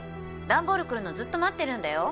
段ボール来るのずっと待ってるんだよ。